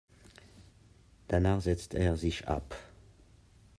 Danach setzt er sich ab.